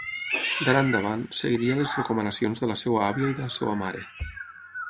D'ara endavant, seguiria les recomanacions de la seva àvia i de la seva mare.